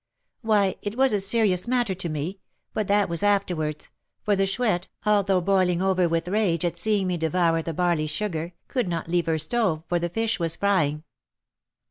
"Why, it was a serious matter to me, but that was afterwards; for the Chouette, although boiling over with rage at seeing me devour the barley sugar, could not leave her stove, for the fish was frying."